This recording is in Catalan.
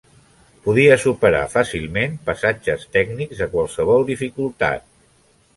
Podia superar fàcilment passatges tècnics de qualsevol dificultat.